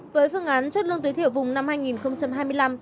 với phương án chốt lương tối thiểu vùng năm hai nghìn hai mươi năm